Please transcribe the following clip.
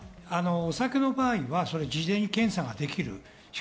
お酒の場合は事前に検査ができる。